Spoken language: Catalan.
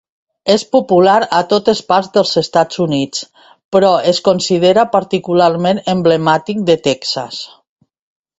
És popular a totes parts dels Estats Units però es considera particularment emblemàtic de Texas.